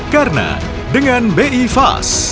karena dengan bi fas